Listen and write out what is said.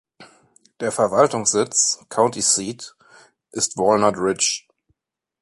Der Verwaltungssitz (County Seat) ist Walnut Ridge.